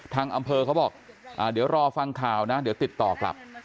ทางอำเภอเขาบอกเดี๋ยวรอฟังข่าวนะเดี๋ยวติดต่อกลับ